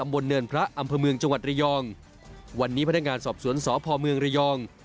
อำบลเนินพระอำภาเมืองจังหวัดเรียองวันนี้พนักงานสอบสวนสพเรียอง